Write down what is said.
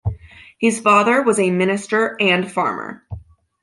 His father was a minister and farmer.